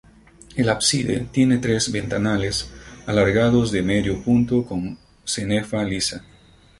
El ábside tiene tres ventanales alargados de medio punto con cenefa lisa.